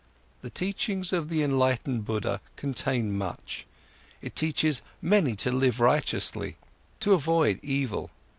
The teachings of the enlightened Buddha contain much, it teaches many to live righteously, to avoid evil.